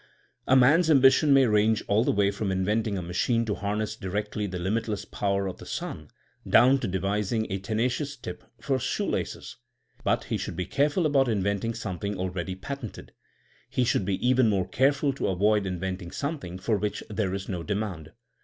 A man's ambition may range all the way from inventing a machine to harness directly the limitless power of the sun, down to devising a tenacious tip for shoelaces. But he should be careful about inventing something already patented. He should be even more careful to avoid inventing something for which there is no demand.